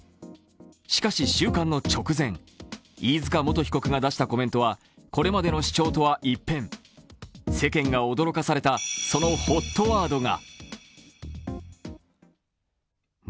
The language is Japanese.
しかし収監の直前、飯塚元被告が出したコメントはこれまでの主張とは一変、世間が驚かされた、そのＨＯＴワードが。